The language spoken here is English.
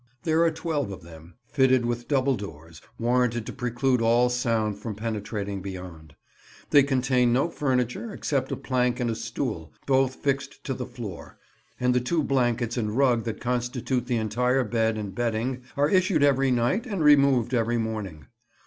There are twelve of them, fitted with double doors, warranted to preclude all sound from penetrating beyond. They contain no furniture, except a plank and a stool, both fixed to the floor, and the two blankets and rug that constitute the entire bed and bedding are issued every night and removed every morning.